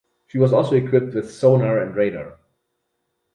She was also equipped with sonar and radar.